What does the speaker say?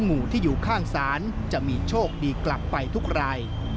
งูที่อยู่ข้างศาลจะมีโชคดีกลับไปทุกราย